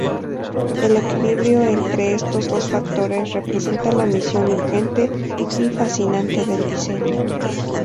El equilibrio entre estos dos factores representa la misión urgente y fascinante del diseño.